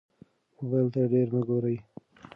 موبایل ته ډېر مه ګورئ.